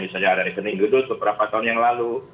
misalnya dari senin gedut beberapa tahun yang lalu